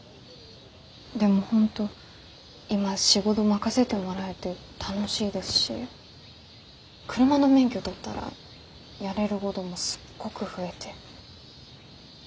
でも本当今仕事任せてもらえて楽しいですし車の免許取ったらやれるごどもすっごく増えて。